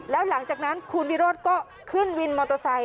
แล้วหลังจากนั้นคุณวิโรธก็ขึ้นวินมอเตอร์ไซค